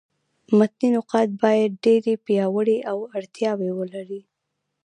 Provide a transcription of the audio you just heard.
متني نقاد باید ډېري وړتیاوي او اړتیاوي ولري.